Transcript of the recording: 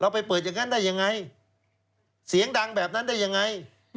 ไปเปิดอย่างนั้นได้ยังไงเสียงดังแบบนั้นได้ยังไง